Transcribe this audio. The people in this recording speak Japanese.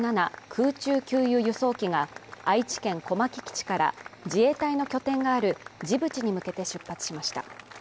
空中給油機・輸送機が愛知県・小牧基地から自衛隊の拠点があるジブチに向けて出発しました。